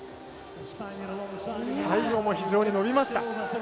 最後も非常に伸びました。